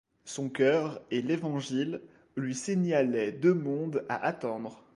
Son cœur et l’Évangile lui signalaient deux mondes à attendre.